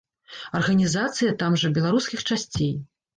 Арганізацыя там жа беларускіх часцей.